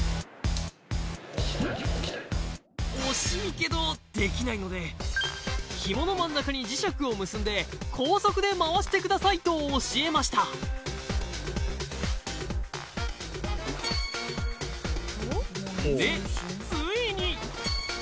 けどできないので「ヒモの真ん中に磁石を結んで高速で回してください」と教えましたんでついに！